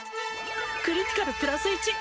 クリティカルプラス１。